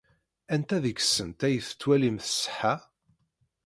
Anta deg-sent ay tettwalim tṣeḥḥa?